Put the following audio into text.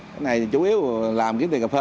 cái này chủ yếu là làm kiếm tiền cà phê